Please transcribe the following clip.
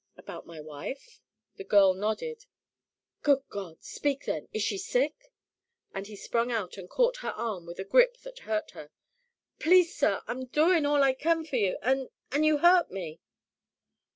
"About my wife?" The girl nodded. "Good God! Speak then. Is she sick?" and he sprung out and caught her arm with a grip that hurt her. "Please, sir, I'm doin' all I kin for yer and and you hurt me."